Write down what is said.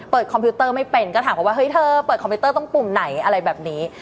คอมพิวเตอร์ไม่เป็นก็ถามเขาว่าเฮ้ยเธอเปิดคอมพิวเตอร์ต้องปุ่มไหนอะไรแบบนี้